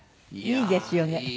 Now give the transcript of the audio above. いいですよね。